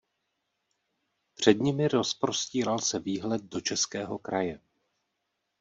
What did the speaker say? Před nimi rozprostíral se výhled do českého kraje.